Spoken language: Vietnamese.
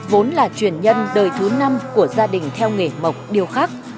vốn là chuyển nhân đời thứ năm của gia đình theo nghề mộc điều khác